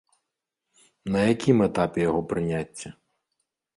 На якім этапе яго прыняцце?